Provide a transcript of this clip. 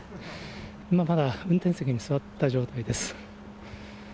今、まだ運転席に座った状態です。